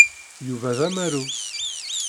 Yuba d amaru.